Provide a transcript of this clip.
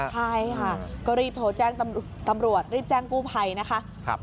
ใช่ค่ะก็รีบโทรแจ้งตำรวจรีบแจ้งกู้ภัยนะคะ